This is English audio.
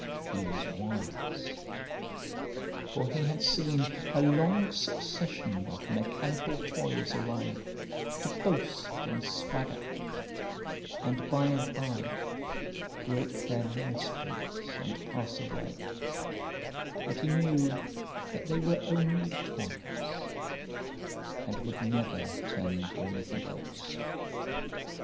He was wise, for he had seen a long succession of mechanical toys arrive to boast and swagger, and by and by break their mainsprings and pass away, and he knew that they were only toys, and would never turn into anything else.